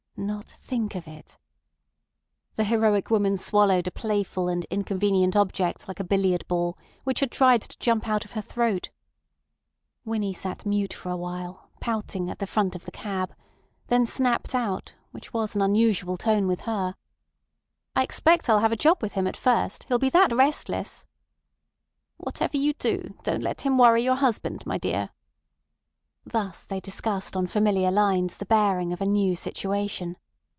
Not think of it! The heroic woman swallowed a playful and inconvenient object like a billiard ball, which had tried to jump out of her throat. Winnie sat mute for a while, pouting at the front of the cab, then snapped out, which was an unusual tone with her: "I expect I'll have a job with him at first, he'll be that restless—" "Whatever you do, don't let him worry your husband, my dear." Thus they discussed on familiar lines the bearings of a new situation.